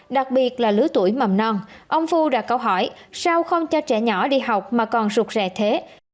đặc biệt là lứa tuổi mầm non ông phu đặt câu hỏi sao không cho trẻ nhỏ đi học mà còn sụt rệ thế